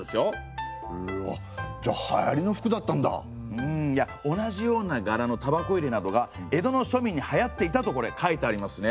うんいや同じような柄のタバコ入れなどが江戸のしょみんにはやっていたとこれ書いてありますね。